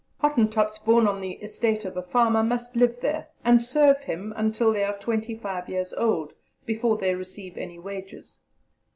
Hottentots born on the estate of a farmer must live there, and serve him until they are twenty five years old, before they receive any wages.